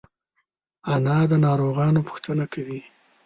انا د ناروغانو پوښتنه کوي